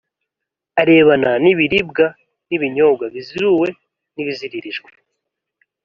arebana n’ibiribwa n’ibinyobwa ibiziruwe n’ibiziririjwe